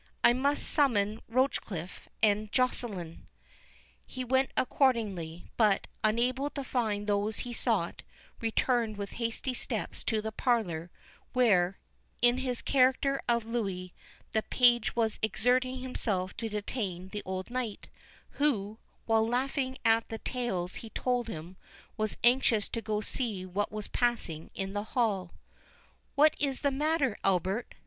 I must summon Rochecliffe and Joceline." He went accordingly, but, unable to find those he sought, he returned with hasty steps to the parlour, where, in his character of Louis, the page was exerting himself to detain the old knight, who, while laughing at the tales he told him, was anxious to go to see what was passing in the hall. "What is the matter, Albert?"